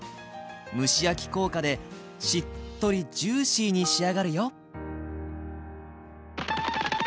蒸し焼き効果でしっとりジューシーに仕上がるよ